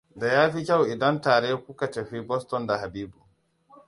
Da yafi kyau idan tare kuka tafi Boston da Habibu.